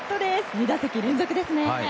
２打席連続ですね！